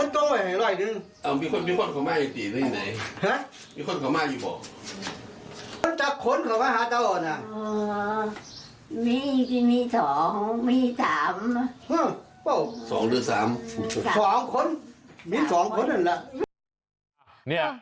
ตกลงมี๓บาทมี๒คนอันนั้น